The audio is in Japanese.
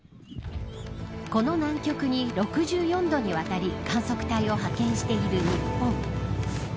この南極に６４度にわたり観測隊を派遣している日本。